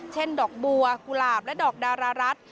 ดอกบัวกุหลาบและดอกดารารัส